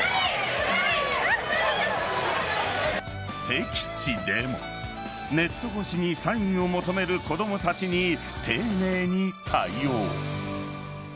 敵地でもネット越しにサインを求める子供たちに丁寧に対応。